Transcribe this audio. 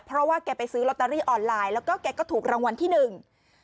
เพราะว่าแกไปซื้อลอตเตอรี่ออนไลน์แล้วก็แกก็ถูกรางวัลที่หนึ่ง